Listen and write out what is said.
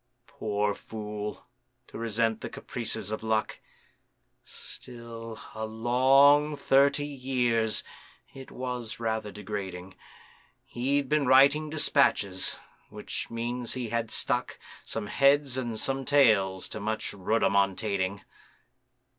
Poor fool! to resent the caprices of Luck. Still, a long thirty years (it was rather degrading) He'd been writing despatches,—which means he had stuck Some heads and some tails to much rhodomontading.